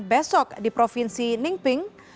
besok di provinsi ninh ping